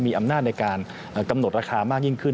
มีอำนาจในการกำหนดราคามากยิ่งขึ้น